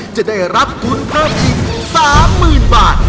จะได้รับทุนเพิ่มอีก๓๐๐๐บาท